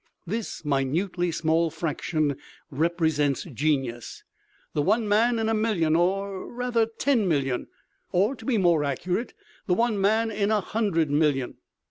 This minutely small fraction represents genius, the one man in a million or rather ten million, or, to be more accurate, the one man in a hundred million."